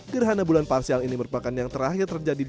gerhana bulan parsial ini merupakan yang terakhir terjadi di